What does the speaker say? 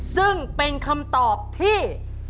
ซึ่งเป็นคำตอบที่